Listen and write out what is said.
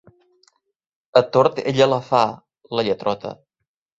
A tort ella la fa, la lletrota.